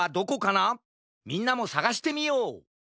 みんなもさがしてみよう！